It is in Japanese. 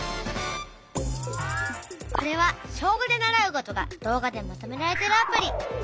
これは小５で習うことが動画でまとめられてるアプリ。